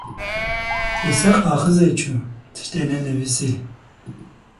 Li ser kaxizê çû tiştan ne nivîse.